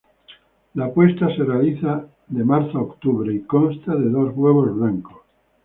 La puesta se realiza de marzo a octubre y consta de dos huevos blancos.